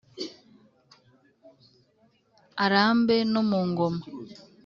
arambe no mu ngoma,